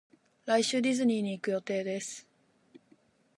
来週ディズニーに行く予定です